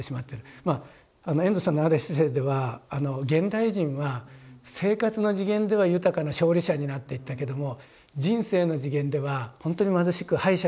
まあ遠藤さんのあるエッセーでは現代人は生活の次元では豊かな勝利者になっていったけども人生の次元ではほんとに貧しく敗者になっていったと。